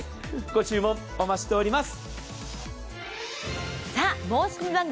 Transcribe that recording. ご注文、お待ちしております。